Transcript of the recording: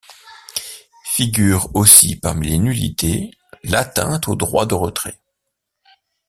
Figure aussi parmi les nullités l'atteinte au droit de retrait.